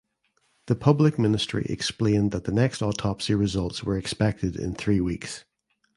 The Public Ministry explained that the next autopsy results were expected in three weeks.